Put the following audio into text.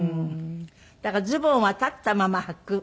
だからズボンは立ったままはく。